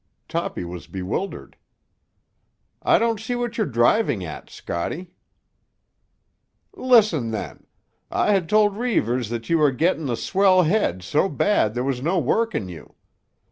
Toppy was bewildered. "I don't see what you're driving at, Scotty." "Listen, then; I ha' told Reivers that you were getting the swell head so bad there was no working you.